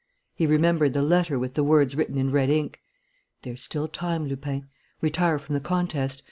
He remembered the letter with the words written in red ink: There's still time, Lupin. Retire from the contest.